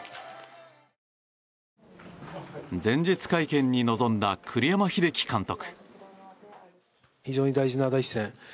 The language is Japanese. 前日会見に臨んだ栗山英樹監督。